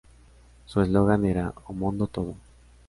Su eslogan era ""O mondo todo.